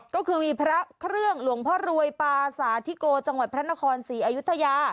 ก็คือมีพระเครื่องหลวงพ่อรวยปาสาธิโกจังหวัดพระนครศรีอยุธยา